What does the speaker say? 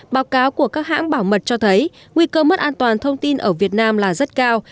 báo cáo của các hãng bảo mật cho thấy nguy cơ mất an toàn thông tin ở việt nam là rất cao